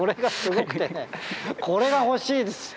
これが欲しいです。